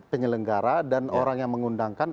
penyelenggara dan orang yang mengundangkan